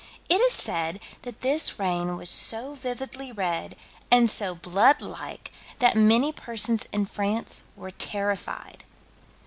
It is said that this rain was so vividly red and so blood like that many persons in France were terrified.